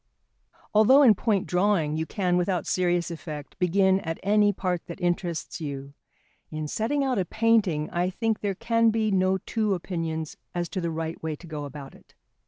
Although in point drawing you can, without serious effect, begin at any part that interests you, in setting out a painting I think there can be no two opinions as to the right way to go about it.